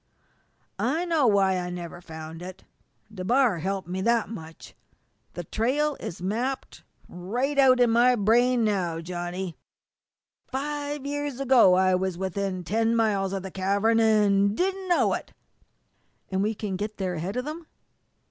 I know why I never found it. DeBar helped me that much. The trail is mapped right out in my brain now, Johnny. Five years ago I was within ten miles of the cavern an' didn't know it!" "And we can get there ahead of them?"